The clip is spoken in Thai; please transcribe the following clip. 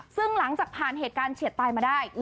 ซึ่งหลังจากผ่านเหตุการณ์เฉียดตายมาได้